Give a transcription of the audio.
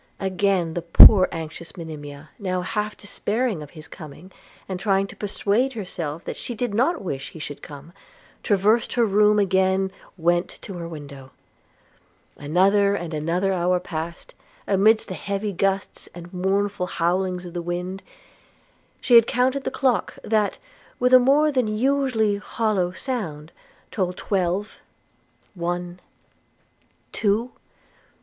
Again the poor anxious Monimia, now half despairing of his coming, and trying to persuade herself that she did not wish he should come, traversed her room, again went to her window. Another and another hour passed: amidst the heavy gusts and. mournful howlings of the wind, she had counted the clock, that, with a more than usually hollow sound, told twelve, one, two!